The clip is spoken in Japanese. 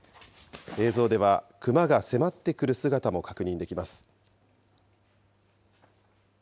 映像ではクマが迫ってくる姿も確認できます。